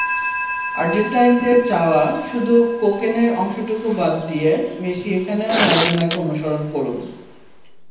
আর্জেন্টাইনদের চাওয়া, শুধু কোকেনের অংশটুকু বাদ দিয়ে, মেসি এখানেও ম্যারাডোনাকে অনুসরণ করুন।